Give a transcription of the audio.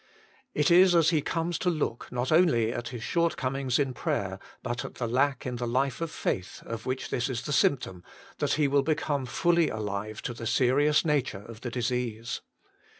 It is as he comes to look, not only at his shortcomings in prayer, but at the lack in the life of faith, of which this is the symptom, that he will become fully alive to the serious nature of the disease.